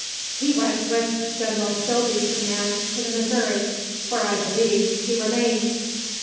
He went with General Sibley's command to the Missouri, where I believe he remained.